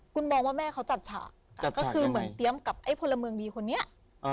คุณบอกว่าแม่เค้าจัดฉากก็คือเหมือนเตรียมกับไอ้โพลเวิร์นดีของเค้า